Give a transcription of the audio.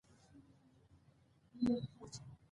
که مې چېرې لاس د واک درورسېږي